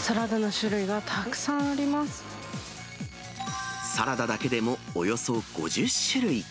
サラダの種類がたくさんありサラダだけでもおよそ５０種類。